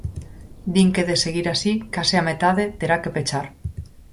Din que de seguir así, case a metade terá que pechar.